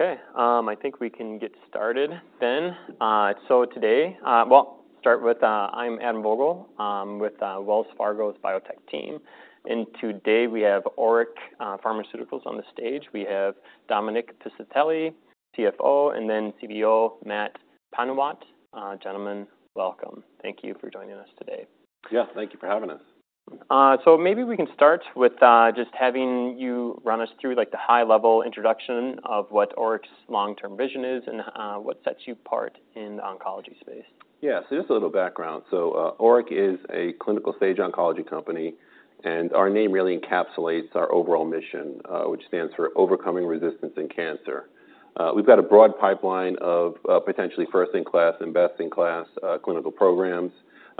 Okay, I think we can get started then. So today, I'm Adam Vogel, with Wells Fargo's Biotech team, and today we have ORIC Pharmaceuticals on the stage. We have Dominic Piscitelli, CFO, and then CBO, Matt Panuwat. Gentlemen, welcome. Thank you for joining us today. Yeah, thank you for having us. So maybe we can start with just having you run us through, like, the high-level introduction of what ORIC's long-term vision is, and what sets you apart in the oncology space. Yeah. So just a little background. So, ORIC is a clinical-stage oncology company, and our name really encapsulates our overall mission, which stands for Overcoming Resistance in Cancer. We've got a broad pipeline of potentially first-in-class and best-in-class clinical programs,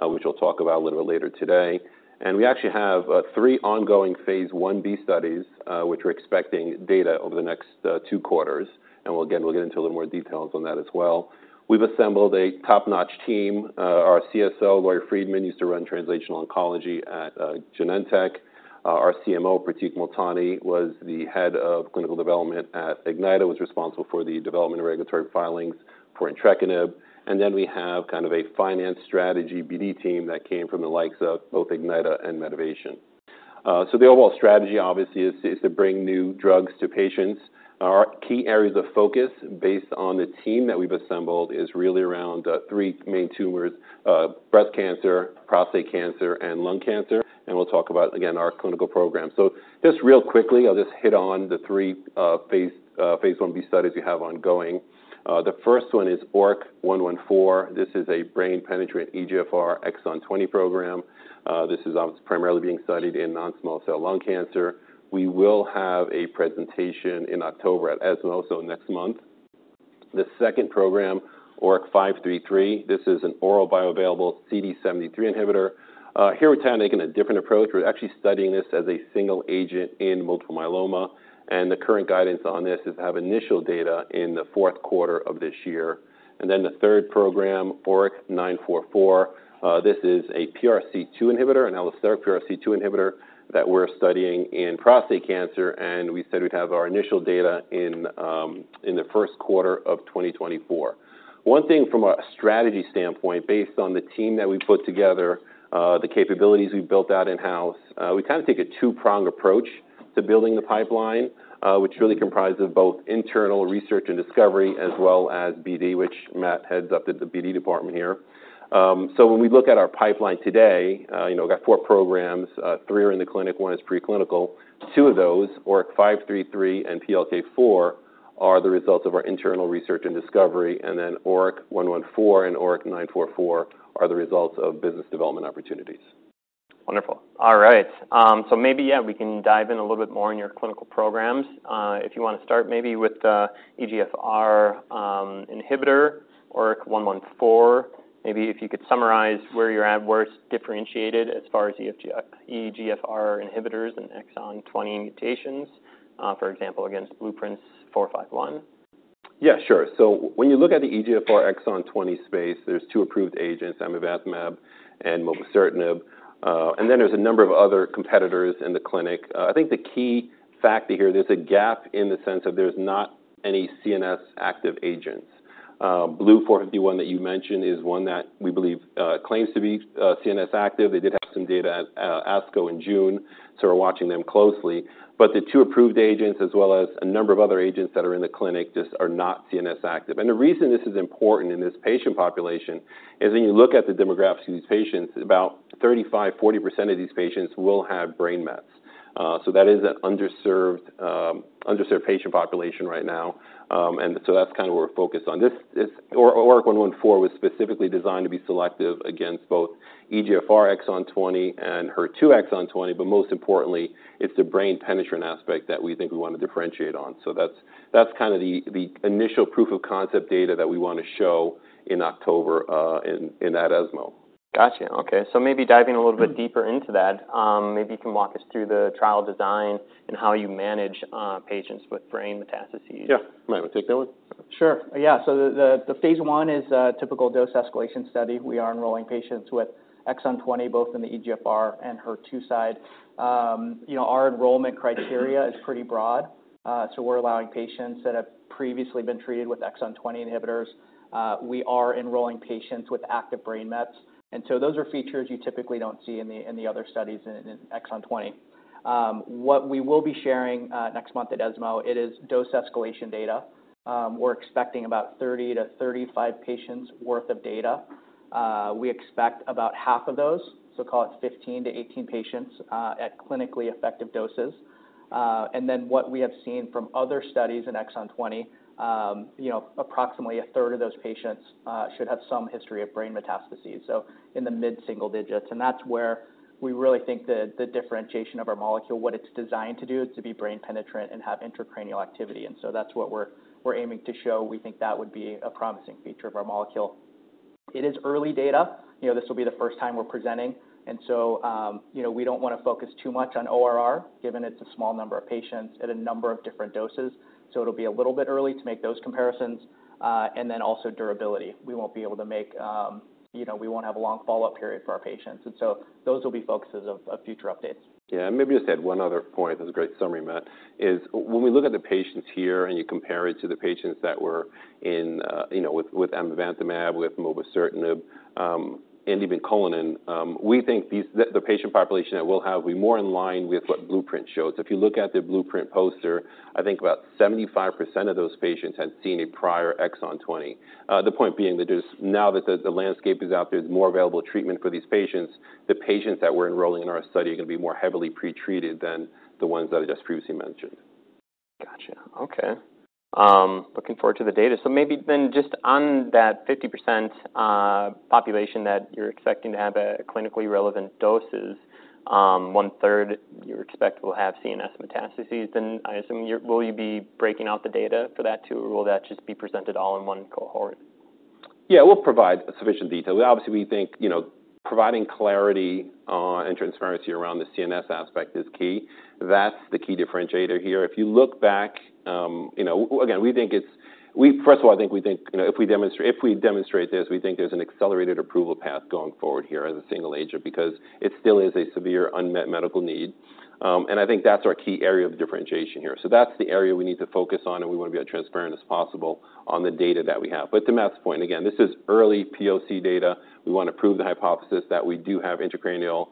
which we'll talk about a little bit later today. And we actually have three ongoing Phase I-B studies, which we're expecting data over the next two quarters. And well, again, we'll get into a little more details on that as well. We've assembled a top-notch team. Our CSO, Lori Friedman, used to run Translational Oncology at Genentech. Our CMO, Pratik Multani, was the Head of Clinical Development at Ignyta, was responsible for the development and regulatory filings for entrectinib. And then we have kind of a finance strategy BD team that came from the likes of both Ignyta and Medivation. So the overall strategy, obviously, is to bring new drugs to patients. Our key areas of focus, based on the team that we've assembled, is really around three main tumors: breast cancer, prostate cancer, and lung cancer, and we'll talk about, again, our clinical program. So just real quickly, I'll just hit on the three Phase I-B studies we have ongoing. The first one is ORIC-114. This is a brain-penetrant EGFR exon 20 program. This is primarily being studied in non-small cell lung cancer. We will have a presentation in October at ESMO, so next month. The second program, ORIC-533, this is an orally bioavailable CD73 inhibitor. Here we're taking a different approach. We're actually studying this as a single agent in multiple myeloma, and the current guidance on this is to have initial data in the fourth quarter of this year. And then the third program, ORIC-944, this is a PRC2 inhibitor, an allosteric PRC2 inhibitor, that we're studying in prostate cancer, and we said we'd have our initial data in, in the first quarter of 2024. One thing from a strategy standpoint, based on the team that we've put together, the capabilities we've built out in-house, we kind of take a two-pronged approach to building the pipeline, which really comprises of both internal research and discovery, as well as BD, which Matt heads up the BD department here. So when we look at our pipeline today, you know, we've got four programs, three are in the clinic, one is preclinical. Two of those, ORIC-533 and PLK4, are the results of our internal research and discovery, and then ORIC-114 and ORIC-944 are the results of business development opportunities. Wonderful. All right. So maybe, yeah, we can dive in a little bit more in your clinical programs. If you wanna start maybe with the EGFR inhibitor, ORIC-114. Maybe if you could summarize where you're at, where it's differentiated as far as EGFR inhibitors and exon 20 mutations, for example, against Blueprint's BLU-451. Yeah, sure. So when you look at the EGFR exon 20 space, there's two approved agents, amivantamab and mobocertinib, and then there's a number of other competitors in the clinic. I think the key factor here, there's a gap in the sense that there's not any CNS-active agents. BLU-451 that you mentioned is one that we believe claims to be CNS-active. They did have some data at ASCO in June, so we're watching them closely. But the two approved agents, as well as a number of other agents that are in the clinic, just are not CNS-active. And the reason this is important in this patient population is, when you look at the demographics of these patients, about 35%-40% of these patients will have brain mets. So that is an underserved, underserved patient population right now, and so that's kind of where we're focused on. This ORIC-114 was specifically designed to be selective against both EGFR exon 20 and HER2 exon 20, but most importantly, it's the brain-penetrant aspect that we think we want to differentiate on. So that's kind of the initial proof of concept data that we want to show in October, in that ESMO. Gotcha. Okay, so maybe diving a little bit deeper into that, maybe you can walk us through the trial design and how you manage patients with brain metastases. Yeah. Matt, want to take that one? Sure. Yeah, so the phase I is a typical dose-escalation study. We are enrolling patients with exon 20, both in the EGFR and HER2 side. You know, our enrollment criteria is pretty broad, so we're allowing patients that have previously been treated with exon 20 inhibitors. We are enrolling patients with active brain mets, and so those are features you typically don't see in the other studies in exon 20. What we will be sharing next month at ESMO, it is dose-escalation data. We're expecting about 30-35 patients' worth of data. We expect about half of those, so call it 15-18 patients at clinically effective doses. And then what we have seen from other studies in exon 20, you know, approximately a third of those patients should have some history of brain metastases, so in the mid-single digits. And that's where we really think the differentiation of our molecule, what it's designed to do, is to be brain-penetrant and have intracranial activity, and so that's what we're aiming to show. We think that would be a promising feature of our molecule. It is early data. You know, this will be the first time we're presenting, and so, you know, we don't wanna focus too much on ORR, given it's a small number of patients at a number of different doses, so it'll be a little bit early to make those comparisons. And then also durability. We won't be able to make. You know, we won't have a long follow-up period for our patients. And so those will be focuses of, of future updates. Yeah, and maybe just add one other point, that's a great summary, Matt, is when we look at the patients here, and you compare it to the patients that were in, you know, with amivantamab, with mobocertinib, and even Cullinan, we think these, the, the patient population that we'll have will be more in line with what Blueprint shows. If you look at the Blueprint poster, I think about 75% of those patients had seen a prior exon 20. The point being that just now that the, the landscape is out there, there's more available treatment for these patients. The patients that we're enrolling in our study are gonna be more heavily pretreated than the ones that I just previously mentioned. Gotcha. Okay. Looking forward to the data. So maybe then just on that 50% population that you're expecting to have clinically relevant doses, one-third you expect will have CNS metastases, then I assume you're—will you be breaking out the data for that too, or will that just be presented all in one cohort? Yeah, we'll provide sufficient detail. Obviously, we think, you know, providing clarity and transparency around the CNS aspect is key. That's the key differentiator here. If you look back—you know, again, we think, first of all, we think, you know, if we demonstrate this, we think there's an accelerated approval path going forward here as a single agent, because it still is a severe unmet medical need. And I think that's our key area of differentiation here. So that's the area we need to focus on, and we want to be as transparent as possible on the data that we have. But to Matt's point, again, this is early POC data. We want to prove the hypothesis that we do have intracranial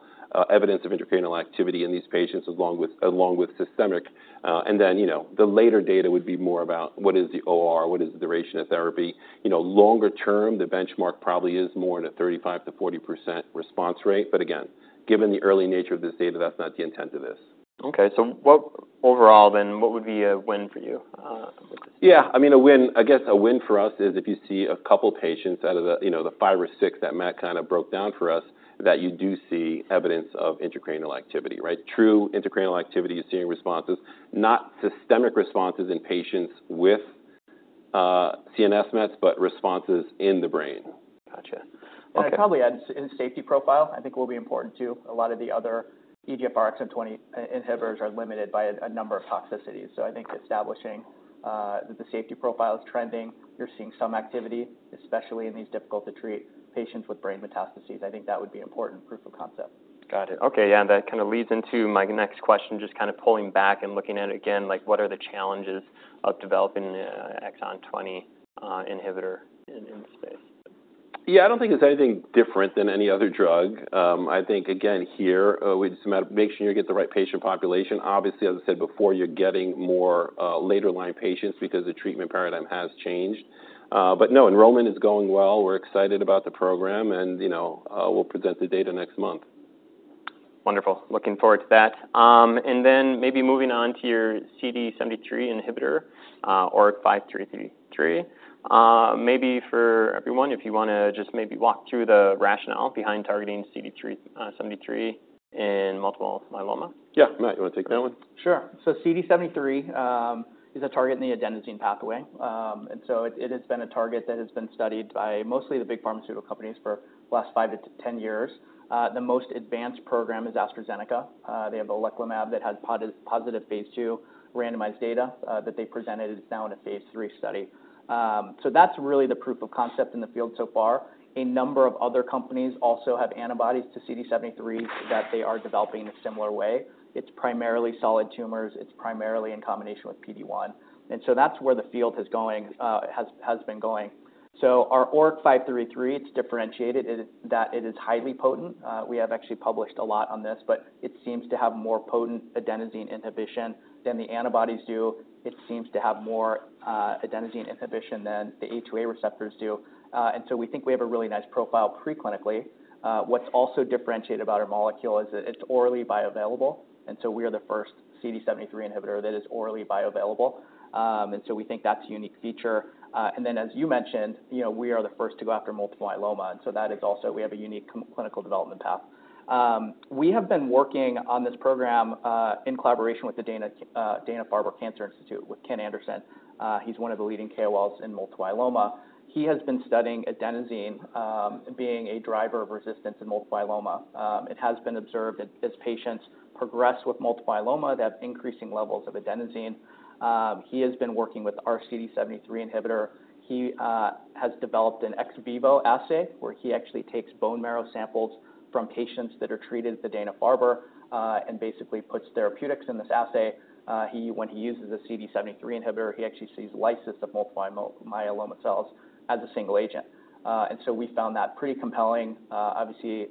evidence of intracranial activity in these patients, along with systemic. And then, you know, the later data would be more about what is the OR, what is the duration of therapy. You know, longer term, the benchmark probably is more in a 35%-40% response rate. But again, given the early nature of this data, that's not the intent of this. Okay. So what—overall, then, what would be a win for you, with this? Yeah, I mean, a win, I guess a win for us is if you see a couple patients out of the, you know, the five or six that Matt kind of broke down for us, that you do see evidence of intracranial activity, right? True intracranial activity, you're seeing responses, not systemic responses in patients with CNS Mets, but responses in the brain. Gotcha. Okay. I'd probably add in safety profile, I think will be important too. A lot of the other EGFR exon 20 inhibitors are limited by a number of toxicities. So I think establishing that the safety profile is trending, you're seeing some activity, especially in these difficult to treat patients with brain metastases. I think that would be important proof of concept. Got it. Okay, yeah, and that kind of leads into my next question, just kind of pulling back and looking at it again, like, what are the challenges of developing an exon 20, inhibitor in this space? Yeah, I don't think it's anything different than any other drug. I think, again, here, it's a matter of making sure you get the right patient population. Obviously, as I said before, you're getting more, later line patients because the treatment paradigm has changed. But no, enrollment is going well. We're excited about the program, and, you know, we'll present the data next month. Wonderful. Looking forward to that. Then maybe moving on to your CD73 inhibitor, ORIC-533. Maybe for everyone, if you want to just maybe walk through the rationale behind targeting CD73 in multiple myeloma. Yeah. Matt, you want to take that one? Sure. So CD73 is a target in the adenosine pathway. And so it has been a target that has been studied by mostly the big pharmaceutical companies for the last 5-10 years. The most advanced program is AstraZeneca. They have oleclumab that has positive Phase II randomized data that they presented. It's now in a Phase III study. So that's really the proof of concept in the field so far. A number of other companies also have antibodies to CD73 that they are developing in a similar way. It's primarily solid tumors. It's primarily in combination with PD-1. And so that's where the field is going, has been going. So our ORIC-533, it's differentiated in that it is highly potent. We have actually published a lot on this, but it seems to have more potent adenosine inhibition than the antibodies do. It seems to have more, adenosine inhibition than the A2A receptors do. And so we think we have a really nice profile preclinically. What's also differentiated about our molecule is that it's orally bioavailable, and so we are the first CD73 inhibitor that is orally bioavailable. And so we think that's a unique feature. And then, as you mentioned, you know, we are the first to go after multiple myeloma, and so that is also. We have a unique clinical development path. We have been working on this program, in collaboration with the Dana-Farber Cancer Institute, with Ken Anderson. He's one of the leading KOLs in multiple myeloma. He has been studying adenosine, being a driver of resistance in multiple myeloma. It has been observed that as patients progress with multiple myeloma, they have increasing levels of adenosine. He has been working with our CD73 inhibitor. He has developed an ex vivo assay, where he actually takes bone marrow samples from patients that are treated at the Dana-Farber, and basically puts therapeutics in this assay. When he uses a CD73 inhibitor, he actually sees lysis of multiple myeloma cells as a single agent. And so we found that pretty compelling. Obviously,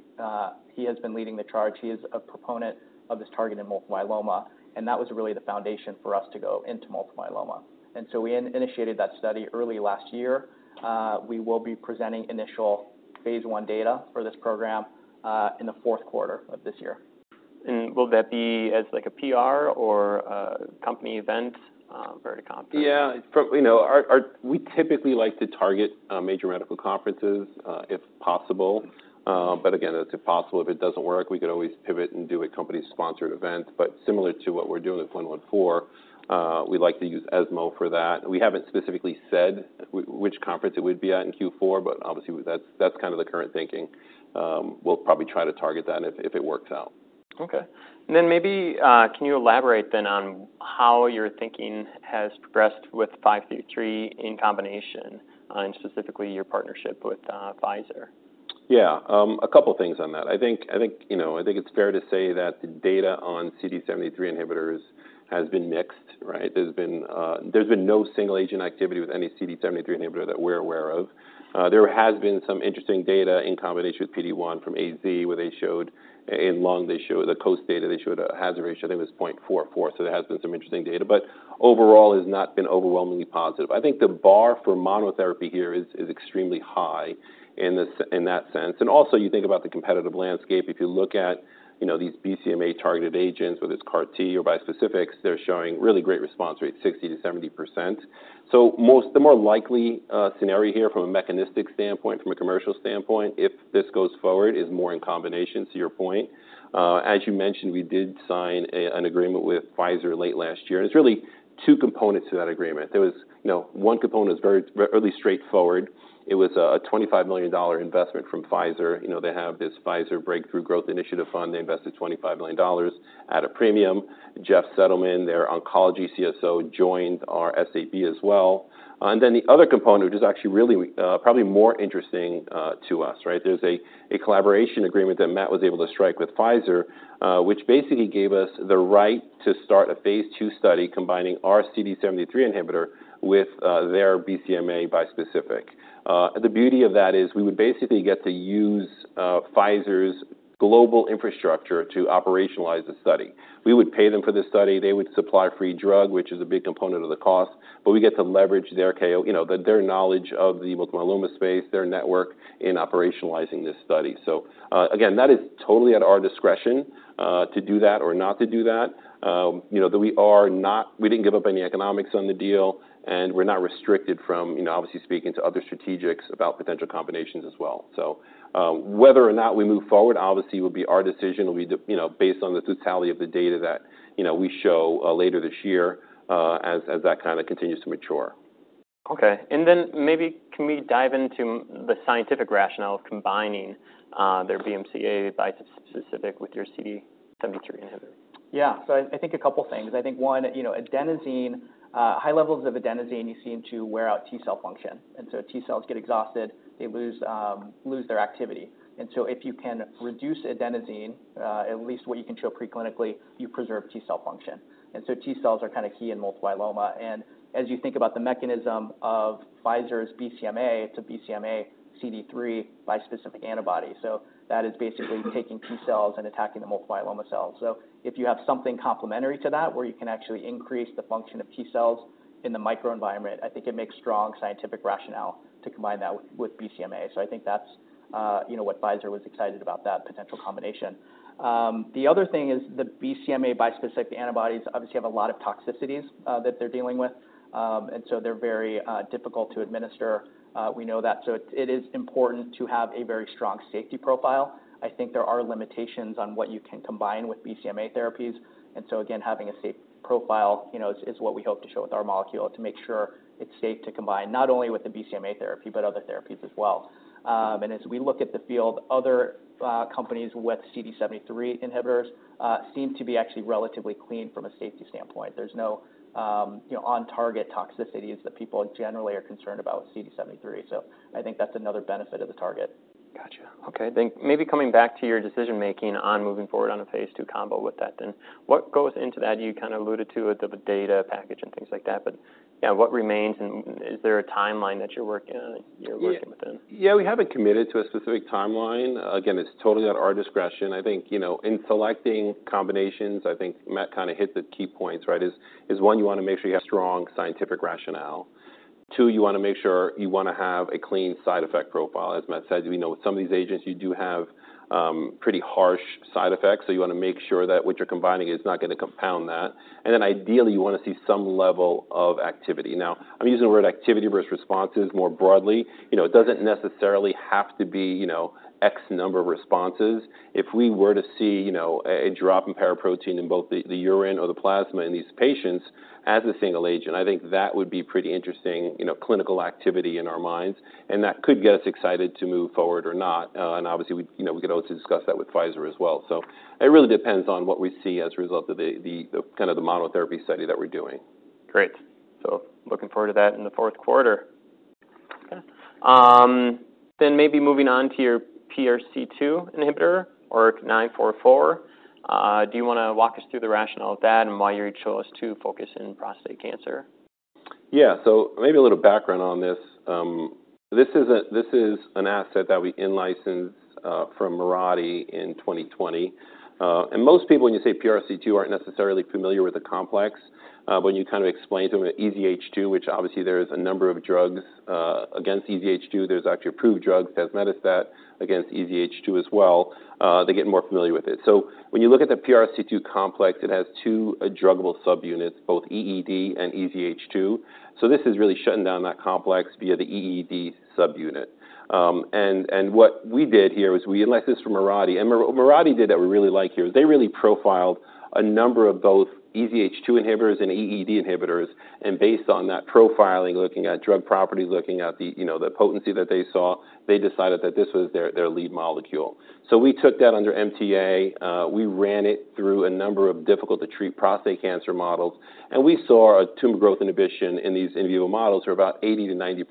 he has been leading the charge. He is a proponent of this target in multiple myeloma, and that was really the foundation for us to go into multiple myeloma. And so we initiated that study early last year. We will be presenting initial phase I data for this program in the fourth quarter of this year. Will that be as, like, a PR or a company event, or a conference? Yeah, it's. You know, our. We typically like to target major medical conferences, if possible. But again, that's if possible. If it doesn't work, we could always pivot and do a company-sponsored event, but similar to what we're doing with 114, we'd like to use ESMO for that. We haven't specifically said which conference it would be at in Q4, but obviously that's, that's kind of the current thinking. We'll probably try to target that if, if it works out. Okay. Can you elaborate then on how your thinking has progressed with 533 in combination, and specifically your partnership with Pfizer? Yeah, a couple things on that. I think, I think, you know, I think it's fair to say that the data on CD73 inhibitors has been mixed, right? There's been no single agent activity with any CD73 inhibitor that we're aware of. There has been some interesting data in combination with PD-1 from AZ, where they showed, in lung, they showed the COAST data, they showed a hazard ratio, I think it was 0.44. So there has been some interesting data, but overall has not been overwhelmingly positive. I think the bar for monotherapy here is extremely high in this in that sense. And also, you think about the competitive landscape. If you look at, you know, these BCMA-targeted agents, whether it's CAR T or bispecifics, they're showing really great response rates, 60%-70%. So the more likely scenario here from a mechanistic standpoint, from a commercial standpoint, if this goes forward, is more in combination to your point. As you mentioned, we did sign an agreement with Pfizer late last year, and it's really two components to that agreement. There was, you know, one component was very, very straightforward. It was a $25 million investment from Pfizer. You know, they have this Pfizer Breakthrough Growth Initiative Fund. They invested $25 million at a premium. Jeff Settleman, their oncology CSO, joined our SAB as well. And then the other component, which is actually really, probably more interesting to us, right? There's a collaboration agreement that Matt was able to strike with Pfizer, which basically gave us the right to start a phase II study combining our CD73 inhibitor with their BCMA bispecific. The beauty of that is we would basically get to use Pfizer's global infrastructure to operationalize the study. We would pay them for this study, they would supply free drug, which is a big component of the cost, but we get to leverage their, their knowledge of the multiple myeloma space, their network in operationalizing this study. So, again, that is totally at our discretion, to do that or not to do that. You know, that we are not—we didn't give up any economics on the deal, and we're not restricted from, you know, obviously speaking to other strategics about potential combinations as well. So, whether or not we move forward, obviously, will be our decision. It'll be, you know, based on the totality of the data that, you know, we show later this year, as that kind of continues to mature. Okay. Maybe can we dive into the scientific rationale of combining their BCMA bispecific with your CD73 inhibitor? Yeah. So I think a couple things. I think, one, you know, adenosine, high levels of adenosine, you seem to wear out T cell function, and so T cells get exhausted, they lose, lose their activity. And so if you can reduce adenosine, at least what you can show pre-clinically, you preserve T cell function. And so T cells are kind of key in multiple myeloma. And as you think about the mechanism of Pfizer's BCMA, it's a BCMA CD3 bispecific antibody. So that is basically taking T cells and attacking the multiple myeloma cells. So if you have something complementary to that, where you can actually increase the function of T cells in the microenvironment, I think it makes strong scientific rationale to combine that with, with BCMA. So I think that's, you know, what Pfizer was excited about that potential combination. The other thing is the BCMA bispecific antibodies obviously have a lot of toxicities that they're dealing with, and so they're very difficult to administer. We know that, so it is important to have a very strong safety profile. I think there are limitations on what you can combine with BCMA therapies. And so, again, having a safe profile, you know, is what we hope to show with our molecule, to make sure it's safe to combine, not only with the BCMA therapy, but other therapies as well. And as we look at the field, other companies with CD73 inhibitors seem to be actually relatively clean from a safety standpoint. There's no, you know, on-target toxicities that people generally are concerned about with CD73, so I think that's another benefit of the target. Gotcha. Okay, then maybe coming back to your decision-making on moving forward on a phase II combo with that then, what goes into that? You kind of alluded to it, the data package and things like that, but, yeah, what remains, and is there a timeline that you're working on, you're working within? Yeah, we haven't committed to a specific timeline. Again, it's totally at our discretion. I think, you know, in selecting combinations, I think Matt kind of hit the key points, right? One, you want to make sure you have strong scientific rationale. Two, you want to make sure you want to have a clean side effect profile. As Matt said, you know, some of these agents, you do have pretty harsh side effects, so you want to make sure that what you're combining is not going to compound that. Ideally, you want to see some level of activity. Now, I'm using the word activity versus responses more broadly. You know, it doesn't necessarily have to be, you know, X number of responses. If we were to see, you know, a drop in paraprotein in both the urine or the plasma in these patients as a single agent, I think that would be pretty interesting, you know, clinical activity in our minds, and that could get us excited to move forward or not. And obviously, we, you know, we could also discuss that with Pfizer as well. So it really depends on what we see as a result of the kind of the monotherapy study that we're doing. Great. So looking forward to that in the fourth quarter. Okay, then maybe moving on to your PRC2 inhibitor ORIC-944, do you want to walk us through the rationale of that and why you chose to focus in prostate cancer? Yeah. So maybe a little background on this. This is an asset that we in-licensed from Mirati in 2020. And most people, when you say PRC2, aren't necessarily familiar with the complex. When you kind of explain to them EZH2, which obviously there is a number of drugs against EZH2, there's actually approved drugs, tazemetostat, against EZH2 as well, they get more familiar with it. So when you look at the PRC2 complex, it has two druggable subunits, both EED and EZH2. So this is really shutting down that complex via the EED subunit. And what we did here was we licensed from Mirati, and Mirati did that we really like here, they really profiled a number of both EZH2 inhibitors and EED inhibitors, and based on that profiling, looking at drug properties, looking at the, you know, the potency that they saw, they decided that this was their, their lead molecule. So we took that under MTA, we ran it through a number of difficult-to-treat prostate cancer models, and we saw a tumor growth inhibition in these in vivo models for about 80%-90%.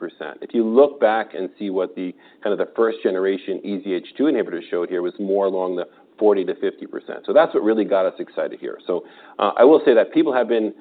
If you look back and see what the, kind of the first generation EZH2 inhibitors showed here, was more along the 40%-50%. So that's what really got us excited here. So, I will say that people have been-...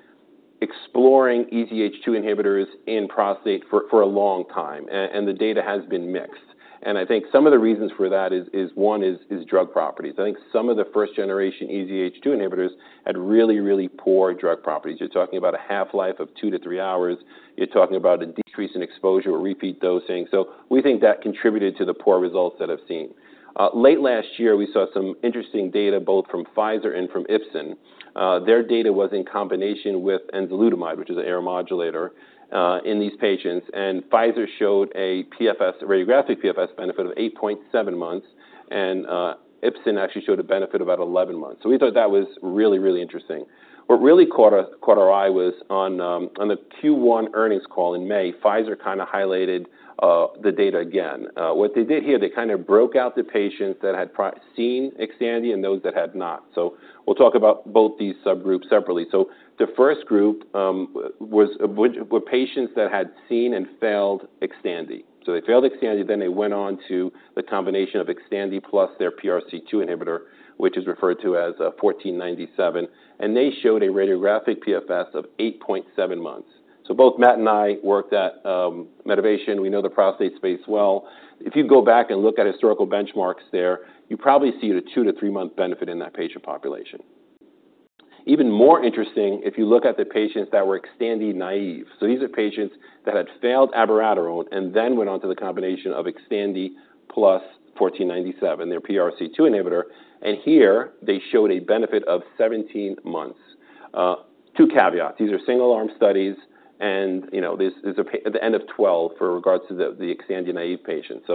exploring EZH2 inhibitors in prostate for a long time, and the data has been mixed. And I think some of the reasons for that is one is drug properties. I think some of the first generation EZH2 inhibitors had really, really poor drug properties. You're talking about a half-life of 2-3 hours. You're talking about a decrease in exposure or repeat dosing. So we think that contributed to the poor results that I've seen. Late last year, we saw some interesting data, both from Pfizer and from Ipsen. Their data was in combination with enzalutamide, which is an AR modulator, in these patients. And Pfizer showed a PFS, radiographic PFS benefit of 8.7 months, and Ipsen actually showed a benefit of about 11 months. So we thought that was really, really interesting. What really caught our eye was on the Q1 earnings call in May. Pfizer kind of highlighted the data again. What they did here, they kind of broke out the patients that had previously seen Xtandi and those that had not. So we'll talk about both these subgroups separately. So the first group, which were patients that had seen and failed Xtandi. So they failed Xtandi, then they went on to the combination of Xtandi plus their PRC2 inhibitor, which is referred to as PF-06821497, and they showed a radiographic PFS of 8.7 months. So both Matt and I worked at Medivation. We know the prostate space well. If you go back and look at historical benchmarks there, you probably see a 2-3 month benefit in that patient population. Even more interesting, if you look at the patients that were Xtandi naive, these are patients that had failed abiraterone and then went on to the combination of Xtandi plus PF-06821497, their PRC2 inhibitor, and here they showed a benefit of 17 months. Two caveats. These are single-arm studies, and, you know, this is the n of 12 for regards to the, the Xtandi-naive patients.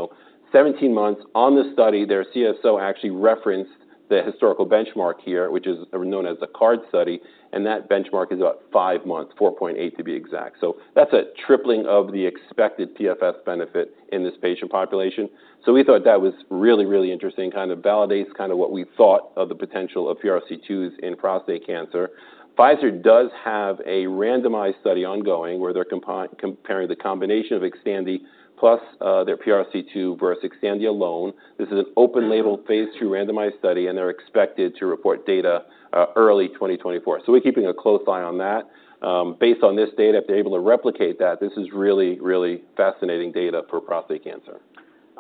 17 months on the study, their CSO actually referenced the historical benchmark here, which is known as the CARD study, and that benchmark is about 5 months, 4.8 to be exact. That's a tripling of the expected PFS benefit in this patient population. We thought that was really, really interesting, kind of validates kind of what we thought of the potential of PRC2s in prostate cancer. Pfizer does have a randomized study ongoing, where they're comparing the combination of Xtandi plus their PRC2 versus Xtandi alone. This is an open-label, phase II randomized study, and they're expected to report data early 2024. So we're keeping a close eye on that. Based on this data, if they're able to replicate that, this is really, really fascinating data for prostate cancer.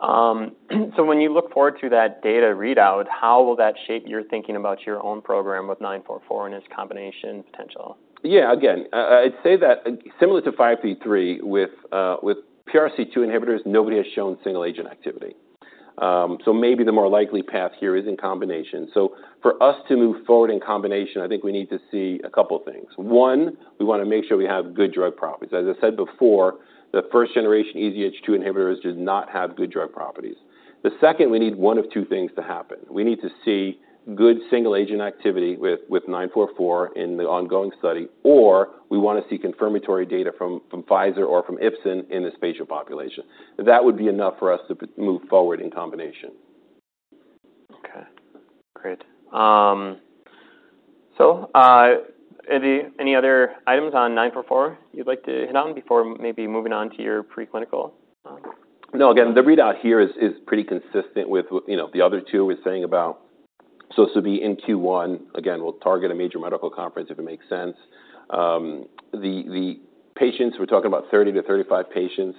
So when you look forward to that data readout, how will that shape your thinking about your own program with ORIC-944 and its combination potential? Yeah, again, I'd say that similar to 533, with PRC2 inhibitors, nobody has shown single-agent activity. So maybe the more likely path here is in combination. So for us to move forward in combination, I think we need to see a couple of things. One, we want to make sure we have good drug properties. As I said before, the first generation EZH2 inhibitors did not have good drug properties. The second, we need one of two things to happen. We need to see good single-agent activity with 944 in the ongoing study, or we want to see confirmatory data from Pfizer or from Ipsen in this patient population. That would be enough for us to move forward in combination. Okay, great. So, any other items on 944 you'd like to hit on before maybe moving on to your preclinical? No, again, the readout here is pretty consistent with, you know, the other two we're saying about. So this will be in Q1. Again, we'll target a major medical conference if it makes sense. The patients, we're talking about 30-35 patients.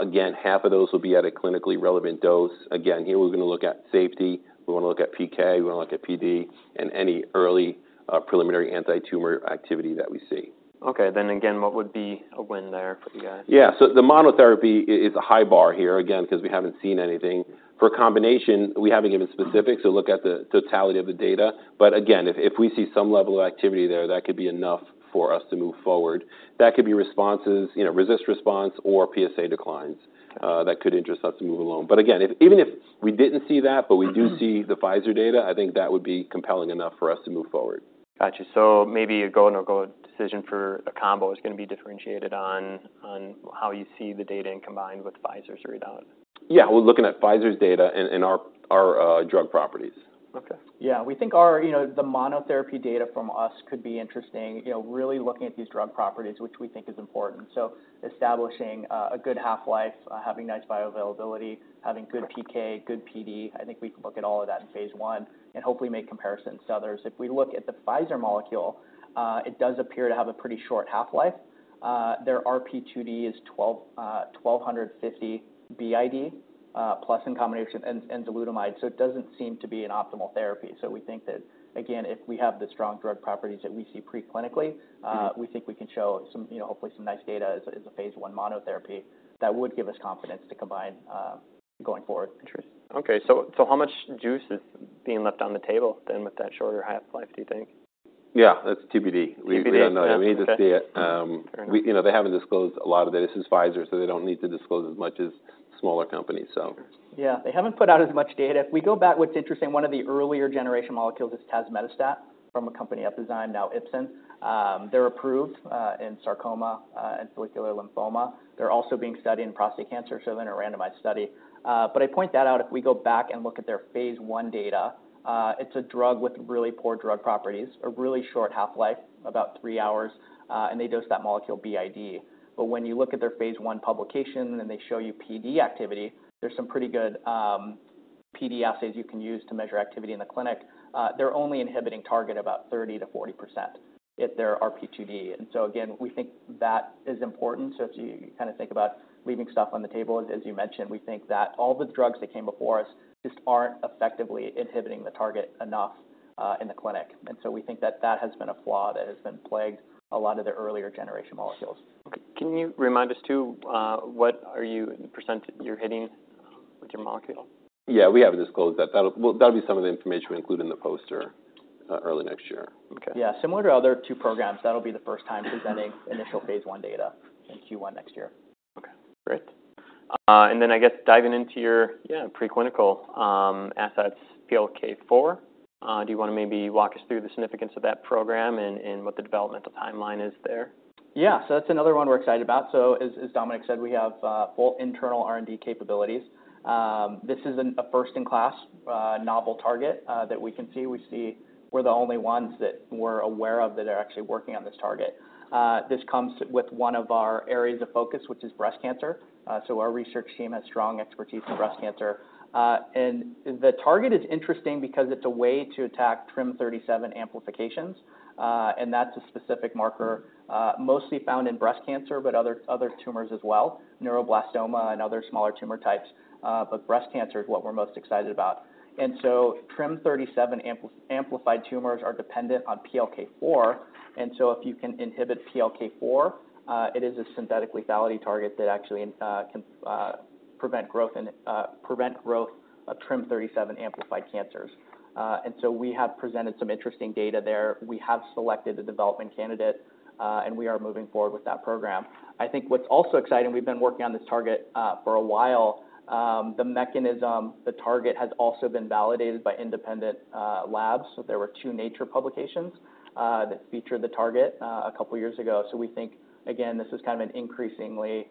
Again, half of those will be at a clinically relevant dose. Again, here, we're going to look at safety. We want to look at PK, we want to look at PD, and any early, preliminary antitumor activity that we see. Okay. Then again, what would be a win there for you guys? Yeah. So the monotherapy is a high bar here, again, because we haven't seen anything. For a combination, we haven't given specifics, so look at the totality of the data. But again, if we see some level of activity there, that could be enough for us to move forward. That could be responses, you know, RECIST response or PSA declines, that could interest us to move along. But again, if even if we didn't see that, but we do see the Pfizer data, I think that would be compelling enough for us to move forward. Got you. So maybe a go or no-go decision for a combo is going to be differentiated on, on how you see the data in combined with Pfizer's readout? Yeah, we're looking at Pfizer's data and our drug properties. Okay. Yeah, we think our, you know, the monotherapy data from us could be interesting. You know, really looking at these drug properties, which we think is important. So establishing a good half-life, having nice bioavailability, having good PK, good PD. I think we can look at all of that in phase I and hopefully make comparisons to others. If we look at the Pfizer molecule, it does appear to have a pretty short half-life. Their RP2D is 1,250 BID, plus in combination enzalutamide, so it doesn't seem to be an optimal therapy. So we think that, again, if we have the strong drug properties that we see pre-clinically. We think we can show some, you know, hopefully some nice data as a phase I monotherapy. That would give us confidence to combine going forward. Interesting. Okay, so how much juice is being left on the table then, with that shorter half-life, do you think? Yeah, that's TBD. TBD. We don't know. We need to see it. Fair enough. You know, they haven't disclosed a lot of it. This is Pfizer, so they don't need to disclose as much as smaller companies, so. Yeah, they haven't put out as much data. If we go back, what's interesting, one of the earlier generation molecules is tazemetostat from a company Epizyme, now Ipsen. They're approved in sarcoma and follicular lymphoma. They're also being studied in prostate cancer, so in a randomized study. But I point that out, if we go back and look at their phase I data, it's a drug with really poor drug properties, a really short half-life, about three hours, and they dose that molecule BID. But when you look at their phase I publication and they show you PD activity, there's some pretty good PD assays you can use to measure activity in the clinic, they're only inhibiting target about 30%-40% if they're RP2D. And so again, we think that is important. If you kind of think about leaving stuff on the table, as you mentioned, we think that all the drugs that came before us just aren't effectively inhibiting the target enough in the clinic. We think that that has been a flaw that has been plagued a lot of the earlier generation molecules. Okay. Can you remind us, too, the percent you're hitting with your molecule? Yeah, we haven't disclosed that. That'll. Well, that'll be some of the information we include in the poster early next year. Okay. Yeah, similar to our other 2 programs, that'll be the first time presenting initial phase II data in Q1 next year. Okay, great. And then I guess diving into your, yeah, preclinical assets, PLK4, do you wanna maybe walk us through the significance of that program and what the developmental timeline is there? Yeah. So that's another one we're excited about. So as Dominic said, we have full internal R&D capabilities. This is a first-in-class novel target that we can see. We see we're the only ones that we're aware of that are actually working on this target. This comes with one of our areas of focus, which is breast cancer. So our research team has strong expertise in breast cancer. And the target is interesting because it's a way to attack TRIM37 amplifications, and that's a specific marker, mostly found in breast cancer, but other tumors as well, neuroblastoma and other smaller tumor types. But breast cancer is what we're most excited about. And so TRIM37 amplified tumors are dependent on PLK4, and so if you can inhibit PLK4, it is a synthetic lethality target that actually can prevent growth and prevent growth of TRIM37 amplified cancers. And so we have presented some interesting data there. We have selected a development candidate, and we are moving forward with that program. I think what's also exciting, we've been working on this target for a while. The mechanism, the target, has also been validated by independent labs. So there were two Nature publications that featured the target a couple of years ago. So we think, again, this is kind of an increasingly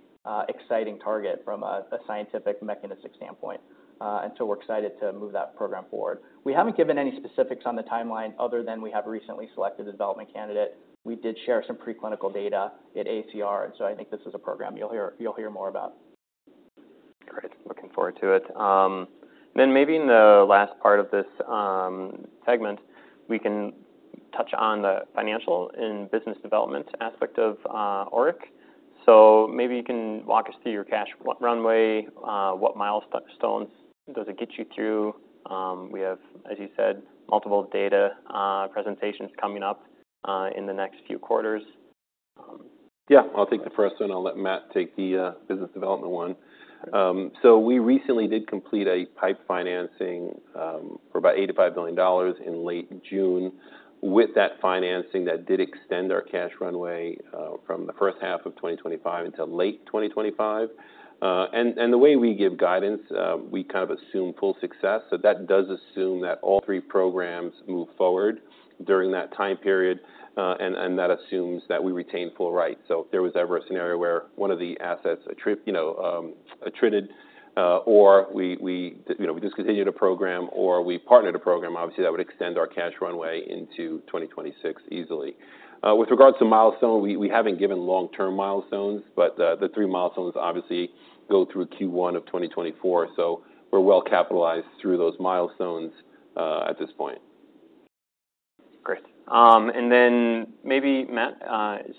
exciting target from a scientific mechanistic standpoint, and so we're excited to move that program forward. We haven't given any specifics on the timeline, other than we have recently selected a development candidate. We did share some preclinical data at AACR, and so I think this is a program you'll hear, you'll hear more about. Great. Looking forward to it. Then maybe in the last part of this segment, we can touch on the financial and business development aspect of ORIC. So maybe you can walk us through your cash runway, what milestones does it get you to? We have, as you said, multiple data presentations coming up in the next few quarters. Yeah, I'll take the first one. I'll let Matt take the business development one. So we recently did complete a PIPE financing for about $85 million in late June. With that financing, that did extend our cash runway from the first half of 2025 until late 2025. And the way we give guidance, we kind of assume full success, so that does assume that all three programs move forward during that time period, and that assumes that we retain full rights. So if there was ever a scenario where one of the assets attrited, you know, or we you know, discontinue the program or we partnered a program, obviously, that would extend our cash runway into 2026 easily. With regards to milestone, we haven't given long-term milestones, but the three milestones obviously go through Q1 of 2024, so we're well capitalized through those milestones at this point. Great. And then maybe Matt, as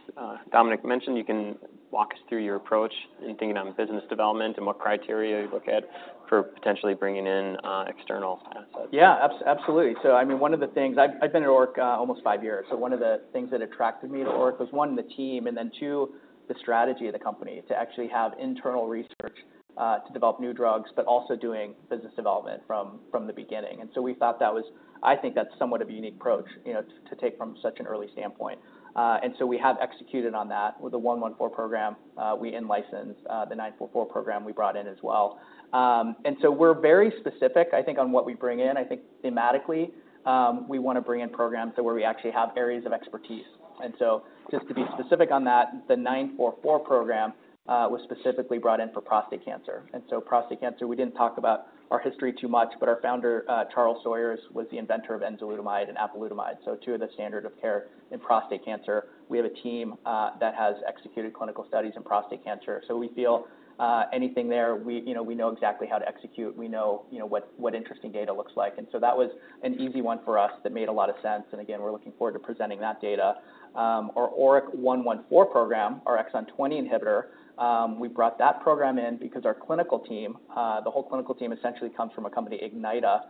Dominic mentioned, you can walk us through your approach in thinking about business development and what criteria you look at for potentially bringing in external assets. Yeah, absolutely. So I mean, one of the things. I've been at ORIC almost five years, so one of the things that attracted me to ORIC was, one, the team, and then two, the strategy of the company, to actually have internal research to develop new drugs, but also doing business development from the beginning. And so we thought that was—I think that's somewhat of a unique approach, you know, to take from such an early standpoint. And so we have executed on that with the ORIC-114 program. We in-licensed the ORIC-944 program we brought in as well. And so we're very specific, I think, on what we bring in. I think thematically, we wanna bring in programs where we actually have areas of expertise. Just to be specific on that, the ORIC-944 program was specifically brought in for prostate cancer. Prostate cancer, we didn't talk about our history too much, but our founder, Charles Sawyers, was the inventor of enzalutamide and apalutamide, so two of the standard of care in prostate cancer. We have a team that has executed clinical studies in prostate cancer, so we feel, anything there, we, you know, we know exactly how to execute, we know, you know, what, what interesting data looks like. That was an easy one for us that made a lot of sense, and again, we're looking forward to presenting that data. Our ORIC-114 program, our exon 20 inhibitor, we brought that program in because our clinical team, the whole clinical team essentially comes from a company, Ignyta,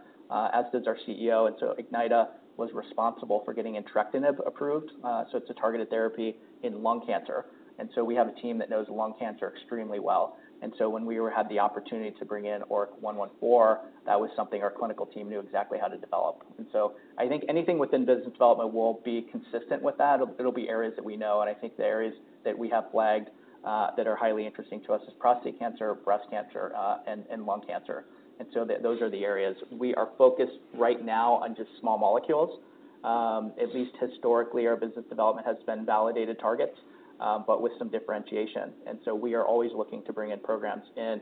as does our CEO. And so Ignyta was responsible for getting entrectinib approved, so it's a targeted therapy in lung cancer. And so we have a team that knows lung cancer extremely well. And so when we had the opportunity to bring in ORIC-114, that was something our clinical team knew exactly how to develop. And so I think anything within business development will be consistent with that. It'll be areas that we know, and I think the areas that we have flagged that are highly interesting to us is prostate cancer, breast cancer, and lung cancer. And so those are the areas. We are focused right now on just small molecules. At least historically, our business development has been validated targets, but with some differentiation. And so we are always looking to bring in programs. And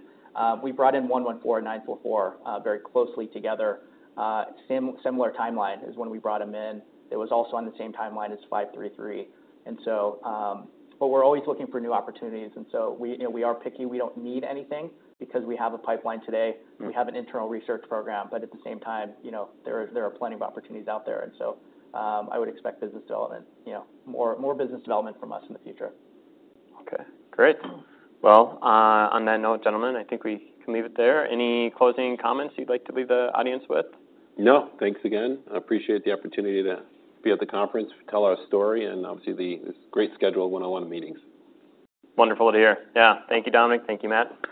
we brought in 114 and 944 very closely together. Similar timeline is when we brought them in. It was also on the same timeline as 533. And so, but we're always looking for new opportunities, and so we, you know, we are picky. We don't need anything because we have a pipeline today. We have an internal research program, but at the same time, you know, there are plenty of opportunities out there, and so, I would expect business development, you know, more business development from us in the future. Okay, great. Well, on that note, gentlemen, I think we can leave it there. Any closing comments you'd like to leave the audience with? No. Thanks again. I appreciate the opportunity to be at the conference, tell our story, and obviously, the great scheduled one-on-one meetings. Wonderful to hear. Yeah. Thank you, Dominic. Thank you, Matt.